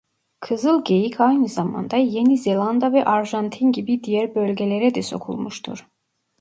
Kızıl geyik aynı zamanda Yeni Zelanda ve Arjantin gibi diğer bölgelere de sokulmuştur.